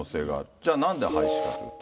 じゃあなんで廃止かというと。